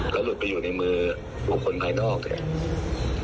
แล้วหลุดไปอยู่ในมือบุคคลภายนอกเนี่ย